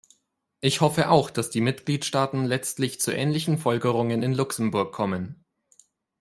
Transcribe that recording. Ich hoffe auch, dass die Mitgliedstaaten letztlich zu ähnlichen Folgerungen in Luxemburg kommen.